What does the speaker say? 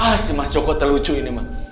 ah si mas joko terlucu ini mah